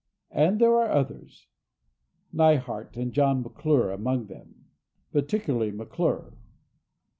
And there are others, Neihardt and John McClure among them—particularly McClure.